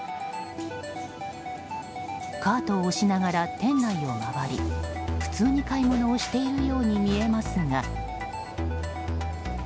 カートを押しながら店内を回り普通に買い物をしているように見えますが。